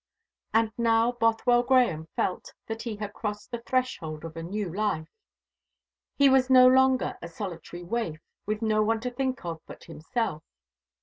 And now Bothwell Grahame felt that he had crossed the threshold of a new life. He was no longer a solitary waif, with no one to think of but himself.